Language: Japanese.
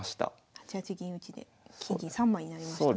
８八銀打で金銀３枚になりましたね。